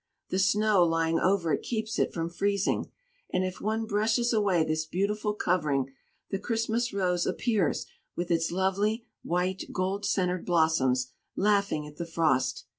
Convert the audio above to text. The snow lying over it keeps it from freezing; and if one brushes away this beautiful covering, the Christmas Rose appears with its lovely, white, gold centered blossoms, laughing at the frost.